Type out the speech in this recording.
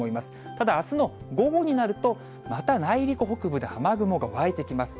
ただ、あすの午後になると、また内陸北部で雨雲が湧いてきます。